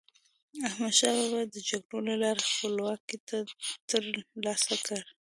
احمدشاه بابا د جګړو له لارې خپلواکي تر لاسه کړه.